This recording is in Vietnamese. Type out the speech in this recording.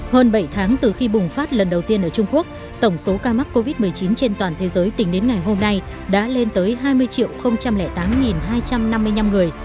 hơn bảy tháng từ khi bùng phát lần đầu tiên ở trung quốc tổng số ca mắc covid một mươi chín trên toàn thế giới tính đến ngày hôm nay đã lên tới hai mươi tám hai trăm năm mươi năm người